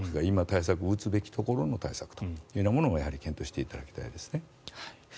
今対策を打つべきところの対策もやはり検討していただきたいですね。